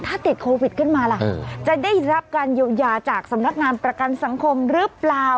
ถ้าติดโควิดขึ้นมาล่ะจะได้รับการเยียวยาจากสำนักงานประกันสังคมหรือเปล่า